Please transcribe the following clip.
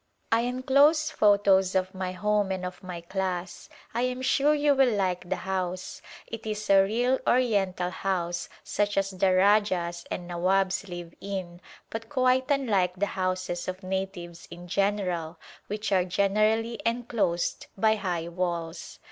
I enclose photos of my home and of my class. I am sure you will like the house ; it is a real Oriental house such as the Rajahs and Nazvabs live in but quite unlike the houses of natives in general which are generally enclosed by high walls.